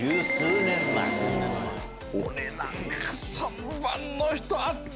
俺何か３番の人。